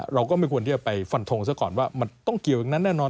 เราก็ไม่ควรที่จะไปฟันทงซะก่อนว่ามันต้องเกี่ยวอย่างนั้นแน่นอน